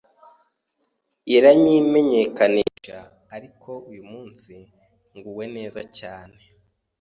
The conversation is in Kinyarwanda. iranyimenyekanisha ariko uyu munsi nguwe neza cyane,